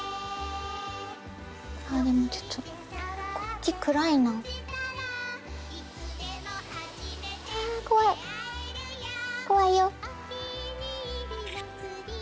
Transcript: ちょっとこっち暗いなあ怖い怖いよ